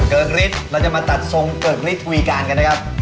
ฤทธิ์เราจะมาตัดทรงเกิกฤทธิวีการกันนะครับ